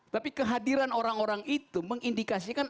tapi kehadiran orang orang itu mengindikasikan